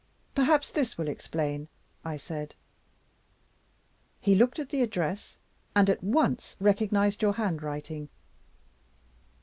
'Perhaps this will explain,' I said. He looked at the address, and at once recognized your handwriting.